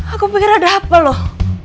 aku pikir ada apa loh